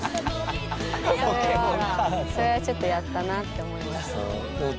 それはちょっとやったなって思いましたね。